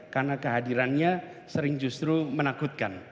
karena kehadirannya sering justru menakutkan